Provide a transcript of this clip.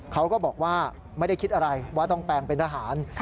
เขาก็บอกว่าไม่ได้คิดอะไรว่าต้องแปลงเป็นทหาร